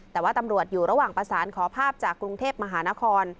แต่ว่าตำรวจอยู่ระหว่างประสานขอภาพจากกรุงเทพมหานคร